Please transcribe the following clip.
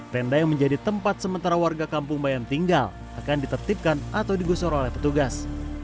tenda yang menjadi tempat sementara warga kampung bayam tinggal akan ditertibkan atau digusur oleh petugas